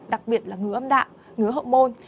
đặc biệt là ngứa âm đạo ngứa hộ môn